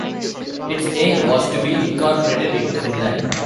Its aim was to be incorporated into Finland.